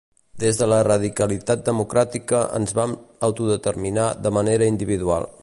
Des de la radicalitat democràtica ens vam autodeterminar de manera individual.